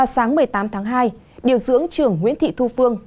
sáng một mươi tám tháng hai điều dưỡng trưởng nguyễn thị thu phương